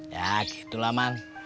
ya gitulah man